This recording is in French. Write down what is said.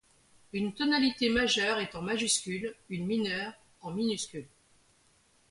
Une tonalité majeure est en majuscule, une mineure en minuscule.